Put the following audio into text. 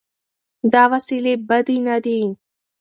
دا وسیلې بدې نه دي.